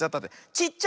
ちっちゃ！